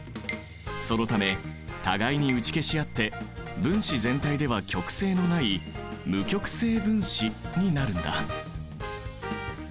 そのため互いに打ち消し合って分子全体では極性のない無極性分子になるんだ。